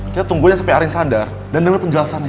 kita tungguin sampai arin sadar dan denger penjelasannya